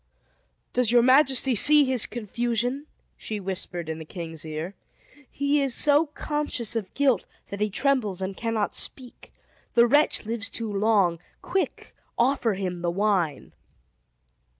"Does your majesty see his confusion?" she whispered in the king's ear. "He is so conscious of guilt, that he trembles and cannot speak. The wretch lives too long! Quick! offer him the wine!"